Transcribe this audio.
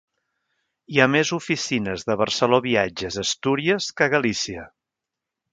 Hi ha més oficines de Barceló Viatges a Astúries que a Galícia.